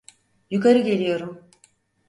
Yukarı geliyorum.